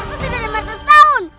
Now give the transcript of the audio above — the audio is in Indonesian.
umurku sudah lima ratus tahun